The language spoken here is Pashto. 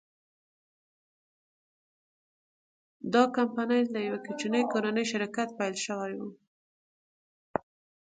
دا کمپنۍ له یوه کوچني کورني شرکت پیل شوې وه.